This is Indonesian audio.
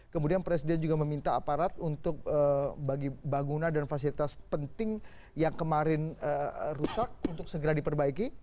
kemudian presiden juga meminta aparat untuk bagi bangunan dan fasilitas penting yang kemarin rusak untuk segera diperbaiki